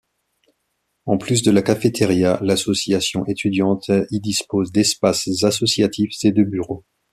En plus de la cafetaria, l'association étudiante y dispose d'espaces associatifs et de bureaux.